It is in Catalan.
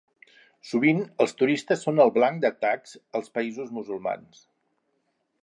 Sovint, els turistes són el blanc d'atacs als països musulmans.